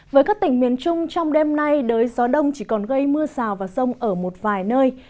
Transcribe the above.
với các tỉnh miền trung trong đêm nay đới gió đông chỉ còn gây mưa rào và rông ở một vài nơi